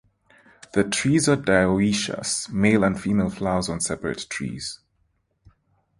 The trees are dioecious (male and female flowers on separate trees).